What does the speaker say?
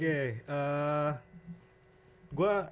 gue berharap lewis menang sekarang ya